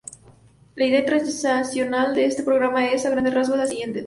La idea transicional de este programa es, a grandes rasgos, la siguiente.